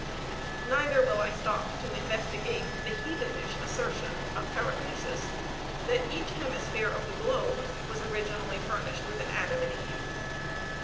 Neither will I stop to investigate the heathenish assertion of Paracelsus, that each hemisphere of the globe was originally furnished with an Adam and Eve.